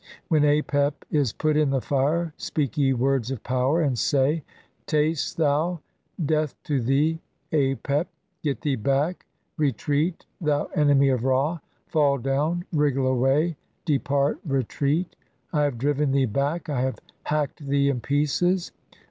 When Apep "is put in the fire speak ye words of power and say, '"Taste thou, 1 death to thee, Apep. Get thee back, re "treat, thou enemy of Ra, fall down, wriggle away, "depart, retreat. I have driven thee back, I have "hacked thee in pieces